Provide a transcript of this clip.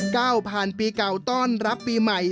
ก้าวผ่านปีเก่าต้อนรับปีใหม่